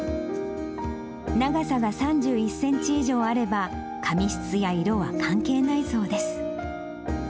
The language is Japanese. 長さが３１センチ以上あれば、髪質や色は関係ないそうです。